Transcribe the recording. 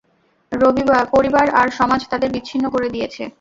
পরিবার আর সমাজ তাদের বিচ্ছিন্ন করে দিয়েছে।